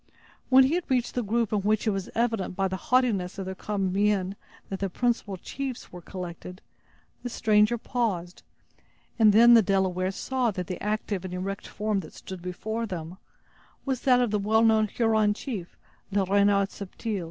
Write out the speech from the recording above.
When he had reached the group in which it was evident, by the haughtiness of their common mien, that the principal chiefs were collected, the stranger paused, and then the Delawares saw that the active and erect form that stood before them was that of the well known Huron chief, Le Renard Subtil.